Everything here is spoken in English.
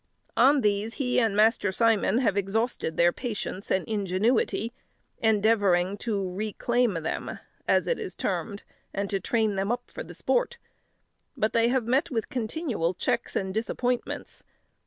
On these he and Master Simon have exhausted their patience and ingenuity, endeavouring to "reclaim" them, as it is termed, and to train them up for the sport; but they have met with continual checks and disappointments.